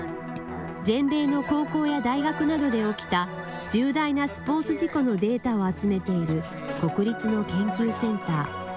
全米の高校や大学などで起きた重大なスポーツ事故のデータを集めている、国立の研究センター。